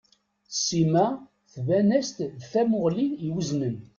Sima tban-as-d d tamuɣli i weznen.